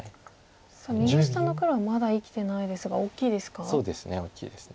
さあ右下の黒はまだ生きてないですが大きいですか？